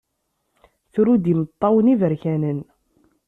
Tru-d imeṭṭawen iberkanen.